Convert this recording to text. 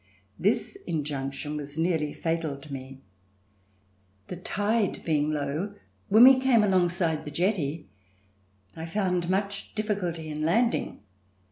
This injunction was nearly fatal to me. The tide being low, when we came alongside the jetty, I found much difficulty in land ing.